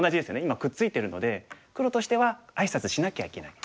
今くっついてるので黒としてはあいさつしなきゃいけない。